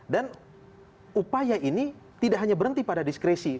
dan upaya ini tidak hanya berhenti pada diskresi